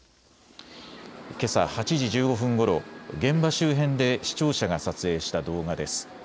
けさ８時１５分ごろ、現場周辺で視聴者が撮影した動画です。